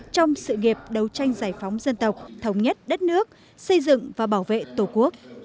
trong sự nghiệp đấu tranh giải phóng dân tộc thống nhất đất nước xây dựng và bảo vệ tổ quốc